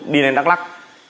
đi lên đắk lắc